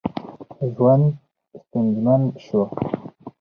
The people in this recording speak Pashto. ژوند ستونزمن شو.